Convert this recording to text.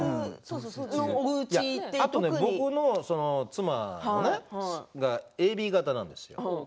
あとね、僕の妻がねＡＢ型なんです。